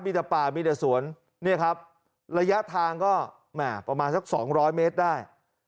มีแต่ป่ามีแต่สวนเนี่ยครับระยะทางก็แหม่ประมาณสัก๒๐๐เมตรได้